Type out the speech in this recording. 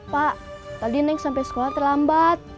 pak tadi neng sampai sekolah terlambat